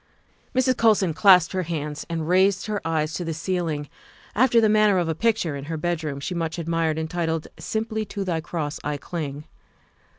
Mrs. Colson clasped her hands and raised her eyes to the ceiling after the manner of a picture in her bedroom she much admired entitled, " Simply to Thy Cross I Cling."